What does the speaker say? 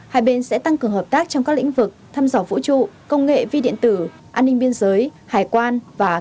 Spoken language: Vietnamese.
hai bên sẽ tăng cường hợp tác trong các lĩnh vực thăm dò vũ trụ công nghệ vi điện tử an ninh biên giới hải quan và các lĩnh vực khác